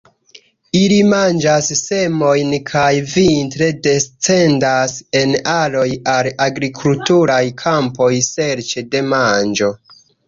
Ili manĝas semojn, kaj vintre descendas en aroj al agrikulturaj kampoj serĉe de manĝo.